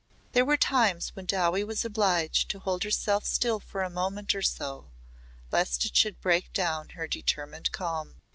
There were times when Dowie was obliged to hold herself still for a moment or so lest it should break down her determined calm.